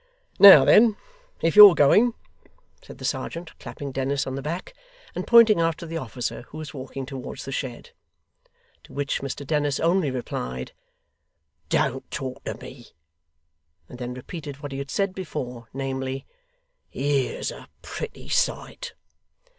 'Now then, if you're going,' said the serjeant, clapping Dennis on the back, and pointing after the officer who was walking towards the shed. To which Mr Dennis only replied, 'Don't talk to me!' and then repeated what he had said before, namely, 'Here's a pretty sight!